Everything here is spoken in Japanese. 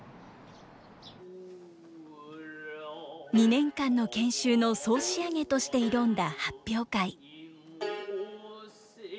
２年間の研修の総仕上げとして挑んだ発表会。